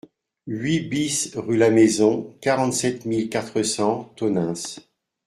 huit BIS rue Lamaison, quarante-sept mille quatre cents Tonneins